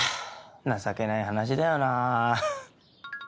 情けない話だよなぁ。